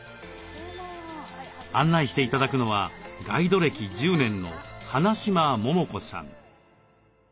案内して頂くのはガイド歴１０年の花嶋桃子さん。